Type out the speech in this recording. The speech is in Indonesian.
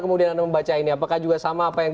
kemudian anda membacanya apakah juga sama apa yang